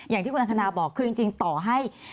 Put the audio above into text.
อย่างที่คุณอัธนาบอกคือจริงต่อให้